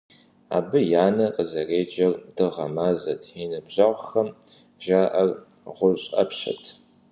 Абы и анэр къызэреджэр Дыгъэ-Мазэт, и ныбжьэгъухэм жаӀэр ГъущӀ Ӏэпщэт!